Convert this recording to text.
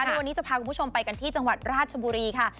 ในวันนี้จะพาคุณผู้ชมไปกันที่จังหวัดราชบุรีค่ะ